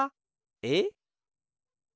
えっ？